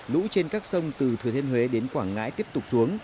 lũ trên các sông từ thừa thiên huế đến quảng ngãi tiếp tục xuống